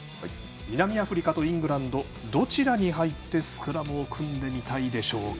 南アフリカとイングランドどちらに入ってスクラムを組んでみたいでしょうか。